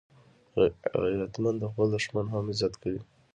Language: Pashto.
غیرتمند د خپل دښمن هم عزت کوي